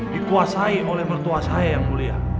dikuasai oleh mertua saya yang mulia